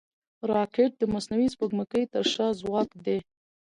راکټ د مصنوعي سپوږمکۍ تر شا ځواک دی